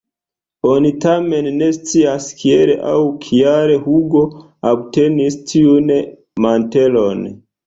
Oni tamen ne scias kiel aŭ kial Hugo obtenis tiun mantelon.